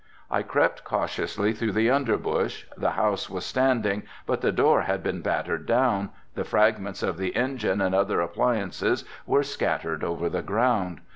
I crept cautiously through the underbush: the house was standing but the door had been battered down, the fragments of the engine and other appliances were scattered over the ground.